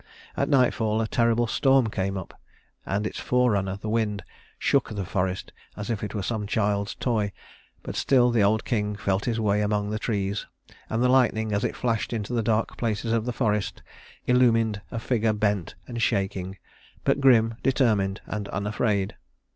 At nightfall a terrible storm came up, and its forerunner, the wind, shook the forest as if it were some child's toy; but still the old king felt his way among the trees, and the lightning, as it flashed into the dark places of the forest, illumined a figure bent and shaking, but grim, determined, and unafraid.